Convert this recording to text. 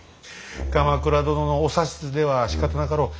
鎌倉殿のお指図ではしかたなかろう。